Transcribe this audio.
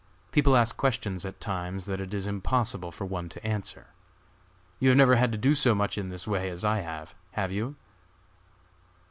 People ask questions at times that it is impossible for one to answer. You have never had to do so much in this way as I have! have you?"